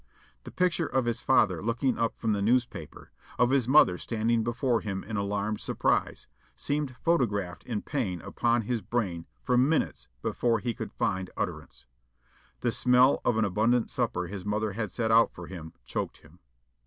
The picture of his father looking up from the newspaper, of his mother standing before him in alarmed surprise, seemed photographed in pain upon his brain for minutes before he could find utterance. The smell of an abundant supper his mother had set out for him choked him.